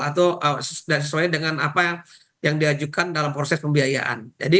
atau sesuai dengan apa yang diajukan dalam proses pembiayaan